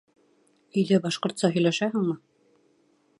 Өйҙә башҡортса һөйләшәһеңме?